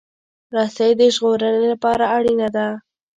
رسۍ د ژغورنې لپاره اړینه ده.